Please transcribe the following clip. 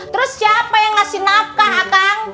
terus siapa yang ngasihin nafkah akang